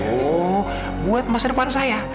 oh buat masa depan saya